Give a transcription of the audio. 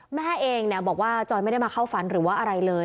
แม่เองบอกว่าจอยไม่ได้มาเข้าฝันหรือว่าอะไรเลย